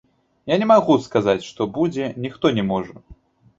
Я не магу сказаць, што будзе, ніхто не можа.